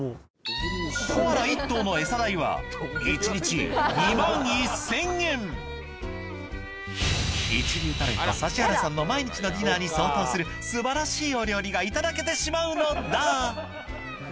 コアラ１頭のエサ代は１日一流タレント指原さんの毎日のディナーに相当する素晴らしいお料理がいただけてしまうのだ！